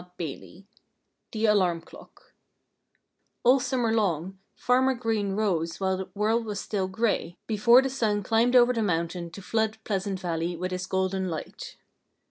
III THE ALARM CLOCK All summer long Farmer Green rose while the world was still gray, before the sun climbed over the mountain to flood Pleasant Valley with his golden light.